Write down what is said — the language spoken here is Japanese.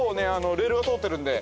レールが通ってるんで。